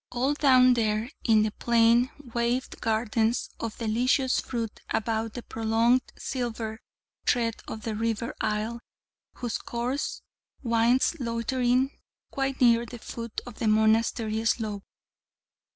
All down there in the plain waved gardens of delicious fruit about the prolonged silver thread of the river Isle, whose course winds loitering quite near the foot of the monastery slope.